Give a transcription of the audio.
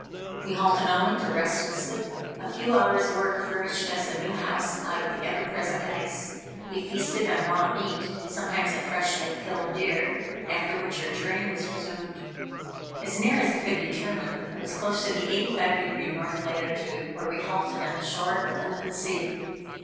We halted only to rest and sleep. A few hours work furnished us a new house out of the ever present ice. We feasted on raw meat sometimes a freshly killed deer; after which our journey was resumed. As near as I could determine, it was close to the 85° north latitude, where we halted on the shore of an open sea.